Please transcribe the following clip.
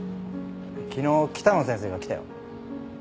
昨日北野先生が来たよ。